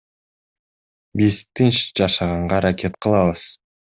Биз тынч жашаганга аракет кылабыз.